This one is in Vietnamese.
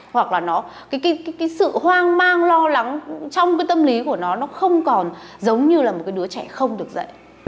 hoặc là nó cái sự hoang mang lo lắng trong cái tâm lý của nó nó không còn giống như là một cái đứa trẻ không được dạy